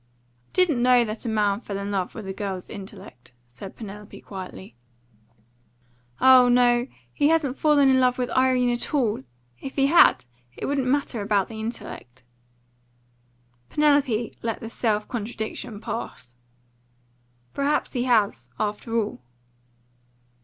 "I didn't know that a man fell in love with a girl's intellect," said Penelope quietly. "Oh no. He hasn't fallen in love with Irene at all. If he had, it wouldn't matter about the intellect." Penelope let the self contradiction pass. "Perhaps he has, after all."